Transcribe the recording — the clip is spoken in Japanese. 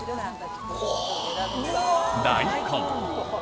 大根。